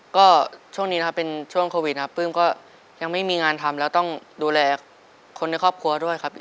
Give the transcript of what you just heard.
ก็ช่วงนี้นะครับเป็นช่วงโควิดนะครับปลื้มก็ยังไม่มีงานทำแล้วต้องดูแลคนในครอบครัวด้วยครับ